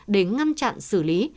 để ngăn chặn xử lý